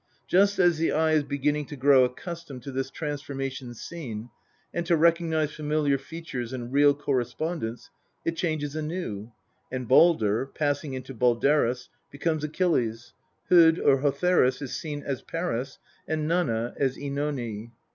Just as the eye is beginning to grow accustomed to this transformation scene, and to recognise familiar features and real correspondence, it changes anew, and Baldr, passing into Balderus, becomes Achilles; Hod or Hotherus is seen as Paris, and Nanna as CEnone.